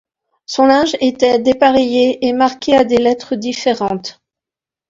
Son linge était dépareillé et marqué à des lettres différentes.